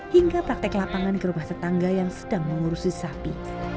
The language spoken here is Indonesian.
hingga praktek lapangan kerumah tetangga yang sedang mengurusi sapi